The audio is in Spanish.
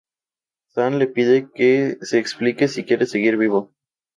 San le pide que se explique si quiere seguir vivo.